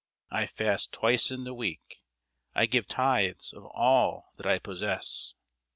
I fast twice in the week, I give tithes of all that I possess.